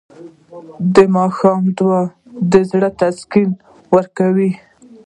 د ماښام دعا د زړه تسکین ورکوي.